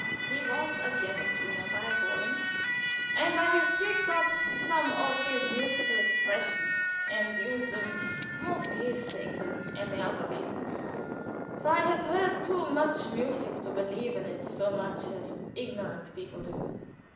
was a piano tuner by calling, and I have picked up some of his musical expressions and use them, more for his sake than any other reason for I have heard too much music to believe in it so much as ignorant people do.